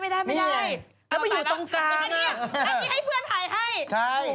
ไม่ได้แล้วมันอยู่ตรงกลางนั่นที่ให้เพื่อนถ่ายให้